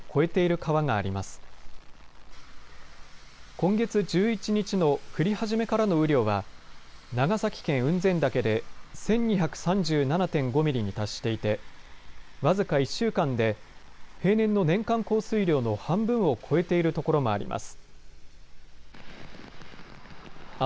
今月１１日の降り始めからの雨量は長崎県雲仙岳で１２３７．５ミリに達していて僅か１週間で平年の年間降水量の半分を超えているところもあります。